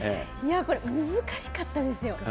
これ、難しかったですよ。